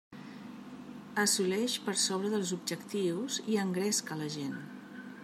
Assoleix per sobre dels objectius i engresca la gent.